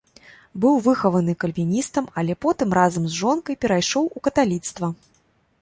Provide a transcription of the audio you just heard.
Быў выхаваны кальвіністам, але потым разам з жонкай перайшоў у каталіцтва.